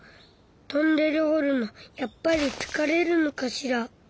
トンネルほるのやっぱりつかれるのかしら。